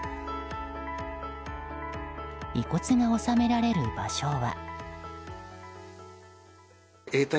遺骨が納められる場所は。